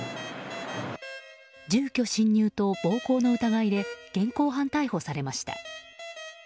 住居侵入と暴行の疑いで現行犯逮捕されました。